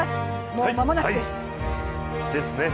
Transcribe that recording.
もう間もなくです。